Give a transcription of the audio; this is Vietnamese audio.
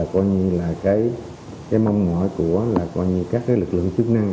cái mong mỏi của các lực lượng chức năng